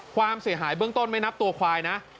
ความเสียหายเบื้องต้นไม่นับตัวควายนะ